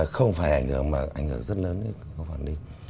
không phải ảnh hưởng mà ảnh hưởng rất lớn